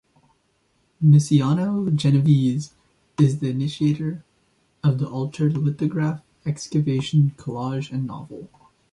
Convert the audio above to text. Misiano-Genovese is the initiator of the Altered Lithograph, Excavation Collage and Novel.